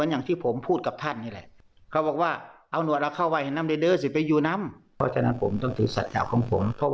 นั่นคือเหตุผลในชีวิตของผม